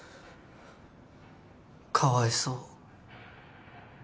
かわいそう。